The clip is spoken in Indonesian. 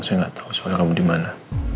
saya gak tau soalnya kamu dimana